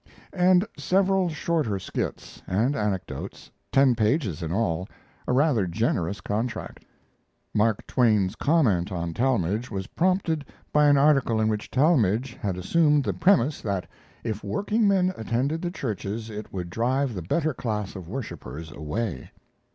] and several shorter skits and anecdotes, ten pages in all; a rather generous contract. Mark Twain's comment on Talmage was prompted by an article in which Talmage had assumed the premise that if workingmen attended the churches it would drive the better class of worshipers away.